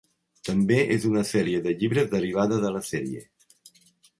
També és una sèrie de llibres derivada de la sèrie.